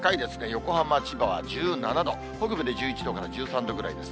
横浜、千葉は１７度、北部で１１度から１３度ぐらいです。